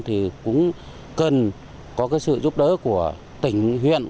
thì cũng cần có cái sự giúp đỡ của tỉnh huyện